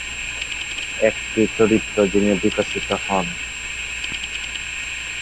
একটি চরিত্র যিনি বিকশিত হন।